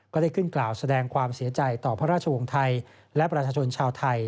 ก็ได้ขึ้นกล่าวแสดงความเสียใจต่อพระราชวงศ์ไทยและประชาชนชาวไทย